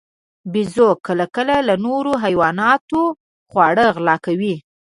بیزو کله کله له نورو حیواناتو خواړه غلا کوي.